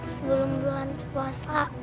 sebelum bulan puasa